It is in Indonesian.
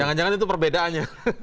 jangan jangan itu perbedaannya